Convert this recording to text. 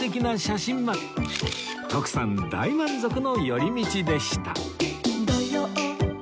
徳さん大満足の寄り道でした